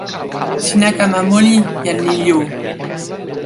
sina kama moli, jan lili o!